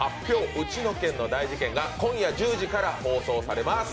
ウチの県の大事ケン」が今夜１０時から放送されます。